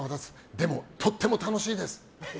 でも、とっても楽しいです！